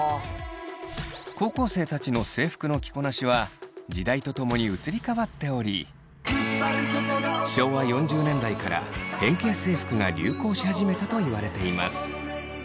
高校生たちの制服の着こなしは時代とともに移り変わっており昭和４０年代から変形制服が流行し始めたといわれています。